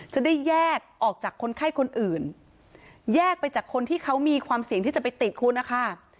จะได้แยกออกจากคนไข้คนอื่นแยกไปจากคนที่เขามีความเสี่ยงที่จะไปติดคุณนะคะ